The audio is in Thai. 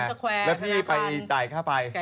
แล้วพี่ไปจ่ายค่าไฟ